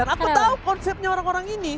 aku tahu konsepnya orang orang ini